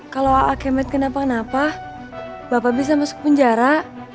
kalau akemit kenapa kenapa bapak bisa masuk penjara